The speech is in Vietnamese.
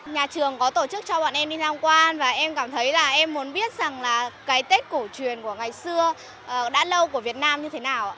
nhà trường có tổ chức cho bọn em đi tham quan và em cảm thấy là em muốn biết rằng là cái tết cổ truyền của ngày xưa đã lâu của việt nam như thế nào